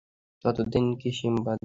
ততদিন কি সিম্বা দেখতে পারবে না?